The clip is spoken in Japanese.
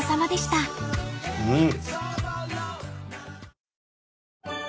うん。